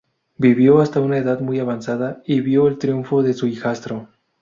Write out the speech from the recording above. Vivió hasta una edad muy avanzada y vio el triunfo de su hijastro.